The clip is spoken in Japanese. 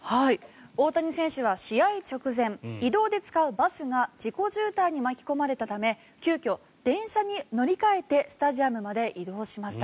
大谷選手は試合直前移動で使うバスが事故渋滞に巻き込まれたため急きょ、電車に乗り換えてスタジアムまで移動しました。